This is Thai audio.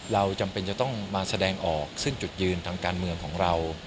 เราจำเป็นจะต้องมาแสดงออกซึ่งจุดยืนทางการเมืองของเรา